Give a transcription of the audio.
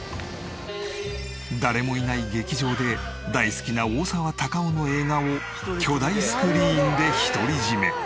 誰もいない劇場で大好きな大沢たかおの映画を巨大スクリーンで独り占め。